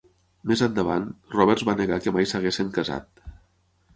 Més endavant, Roberts va negar que mai s'haguessin casat.